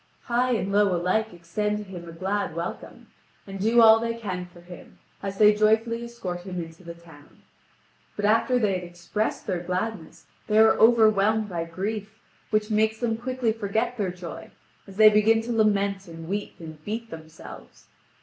High and low alike extend to him a glad welcome, and do all they can for him, as they joyfully escort him into the town. But after they had expressed their gladness they are overwhelmed by grief, which makes them quickly forget their joy, as they begin to lament and weep and beat themselves.